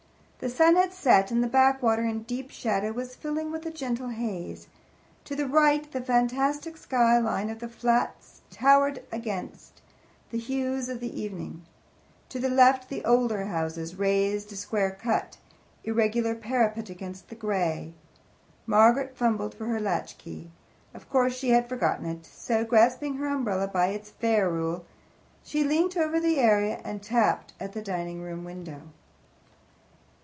The sun had set, and the backwater, in deep shadow, was filling with a gentle haze. To the right of the fantastic skyline of the flats towered black against the hues of evening; to the left the older houses raised a square cut, irregular parapet against the grey. Margaret fumbled for her latchkey. Of course she had forgotten it. So, grasping her umbrella by its ferrule, she leant over the area and tapped at the dining room window.